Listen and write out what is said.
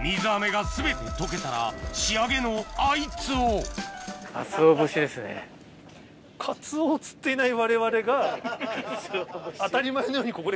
水飴が全て溶けたら仕上げのあいつを当たり前のようにここで。